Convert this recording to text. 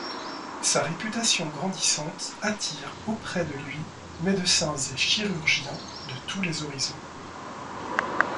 Sa réputation grandissante attire auprès de lui médecins et chirurgiens de tous les horizons.